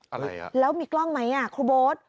อะไรอ่ะแล้วมีกล้องไหมครูโบ๊ท